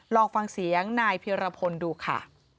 ลองฟังเสียงนายเพียรพลดูค่ะ